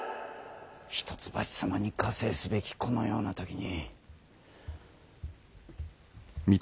一橋様に加勢すべきこのような時に。